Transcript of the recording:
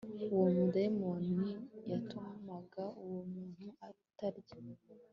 uwo mudayimoni yatumaga uwo muntu atarya